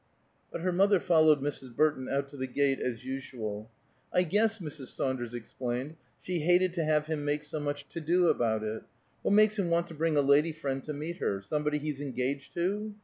But her mother followed Mrs. Burton out to the gate, as usual. "I guess," Mrs. Saunders explained, "she hated to have him make so much to do about it. What makes him want to bring a lady friend to meet her? Somebody he's engaged to?"